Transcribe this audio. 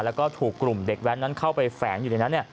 แล้วก็ถูกกลุ่มเด็กแว้นนั้นเข้าไปแฝงอยู่ในนั้น